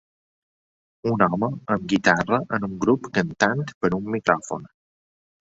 Un home amb guitarra en un grup cantant per un micròfon